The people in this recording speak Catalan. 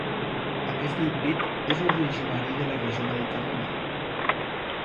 Aquest híbrid és originari de la regió mediterrània.